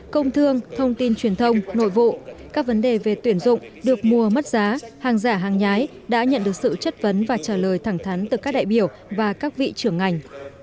công thương thông tin truyền thông nội vụ các vấn đề về tuyển dụng được mua mất giá hàng giả hàng nhái đã nhận được sự chất vấn và trả lời thẳng thắn từ các đại biểu và các vị trưởng ngành